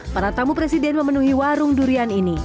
para tamu presiden memenuhi warung durian ini